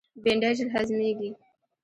بېنډۍ ژر هضمیږي